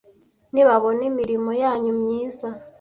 nibabona imirimo yanyu myiza